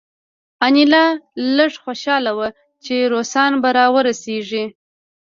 انیلا لږه خوشحاله وه چې روسان به راورسیږي